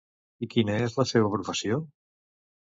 I quina és la seva professió?